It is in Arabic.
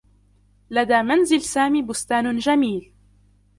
لدى منزل سامي بستان جميل.